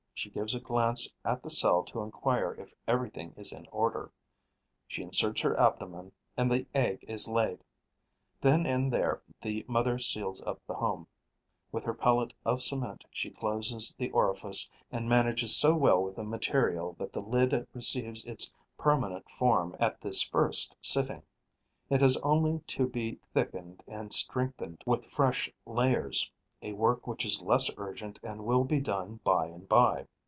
She gives a glance at the cell to enquire if everything is in order; she inserts her abdomen; and the egg is laid. Then and there the mother seals up the home: with her pellet of cement she closes the orifice and manages so well with the material that the lid receives its permanent form at this first sitting; it has only to be thickened and strengthened with fresh layers, a work which is less urgent and will be done by and by.